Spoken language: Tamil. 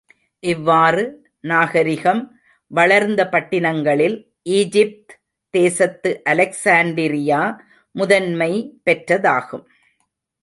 இவ்வாறு நாகரிகம் வளர்ந்த பட்டினங்களில், ஈஜிப்த் தேசத்து அலெக்ஸாண்டிரியா முதன்மை பெற்றதாகும்.